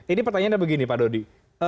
ini pertanyaannya begini pak dodi